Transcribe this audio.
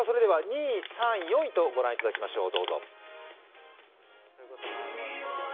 ２位、３位、４位とご覧いただきましょう。